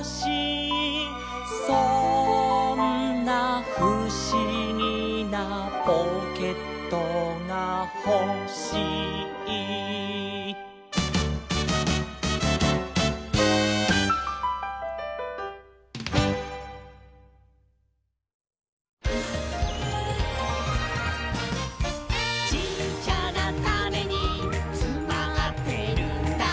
「そんなふしぎなポケットがほしい」「ちっちゃなタネにつまってるんだ」